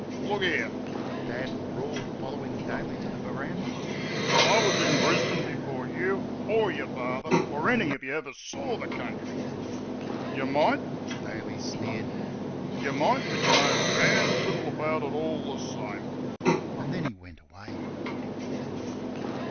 "Look here," Dad roared, following Daly to the verandah; "I was in Brisbane before you or y'r father, or any one o' y' ever saw the country." "Yer might," Daly sneered, "yer might, but yer know d n little about it all the same!" And then he went away.